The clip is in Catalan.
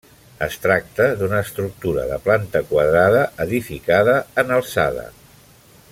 Es tracta d'una estructura de planta quadrada edificada en alçada.